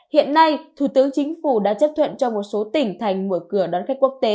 hiện nay thủ tướng chính phủ đã chấp thuận cho một số tỉnh thành mở cửa đón khách quốc tế